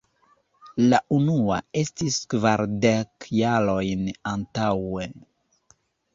La unua estis kvardek jarojn antaŭe!